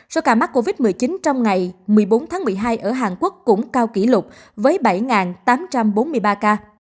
số ca mắc covid một mươi chín trong ngày một mươi bốn tháng một mươi hai ở hàn quốc cũng cao kỷ lục với bảy tám trăm bốn mươi ba ca